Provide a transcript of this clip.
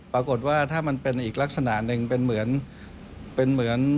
ปรากฏว่าถ้ามันเป็นอีกลักษณะหนึ่งเป็นเหมือน